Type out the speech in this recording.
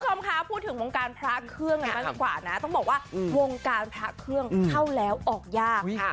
คุณผู้ชมคะพูดถึงวงการพระเครื่องกันบ้างดีกว่านะต้องบอกว่าวงการพระเครื่องเข้าแล้วออกยากค่ะ